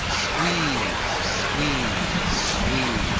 Squeeze! squeeze! squeeze!